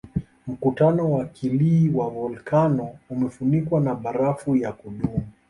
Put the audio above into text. Mkutano wa kilee wa volkano umefunikwa na barafu ya kudumu